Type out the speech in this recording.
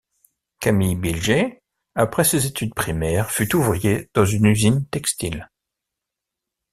Camille Bilger, après ses études primaires fut ouvrier dans une usine textile.